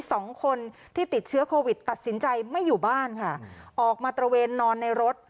สองคนที่ติดเชื้อโควิดตัดสินใจไม่อยู่บ้านค่ะออกมาตระเวนนอนในรถ